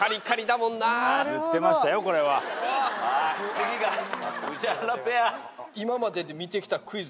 次が宇治原ペア。